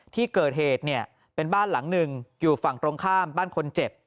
ที่เกิดเหตุเนี่ยเป็นบ้านหลังหนึ่งอยู่ฝั่งตรงข้ามบ้านคนเจ็บ